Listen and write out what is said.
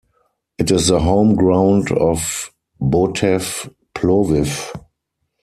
It is the home ground of Botev Ploviv.